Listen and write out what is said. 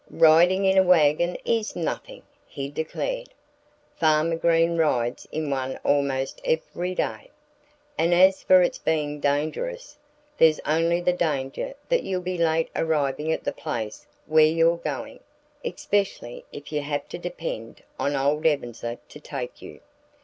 "Riding in a wagon is nothing," he declared. "Farmer Green rides in one almost every day. And as for it's being dangerous, there's only the danger that you'll be late arriving at the place where you're going especially if you have to depend on old Ebenezer to take you.